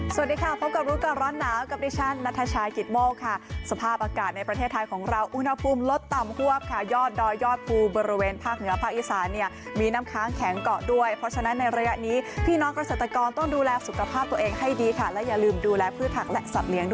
สวัสดีค่ะพบกับรู้ก่อนร้อนหนาวกับดิฉันนัทชายกิตโมกค่ะสภาพอากาศในประเทศไทยของเราอุณหภูมิลดต่ำฮวบค่ะยอดดอยยอดภูบริเวณภาคเหนือภาคอีสานเนี่ยมีน้ำค้างแข็งเกาะด้วยเพราะฉะนั้นในระยะนี้พี่น้องเกษตรกรต้องดูแลสุขภาพตัวเองให้ดีค่ะและอย่าลืมดูแลพืชผักและสัตว์เลี้ยด้วย